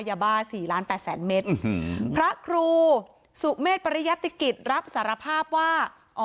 ยาบ้าสี่ล้านแปดแสนเมตรพระครูสุเมษปริยติกิจรับสารภาพว่าอ๋อ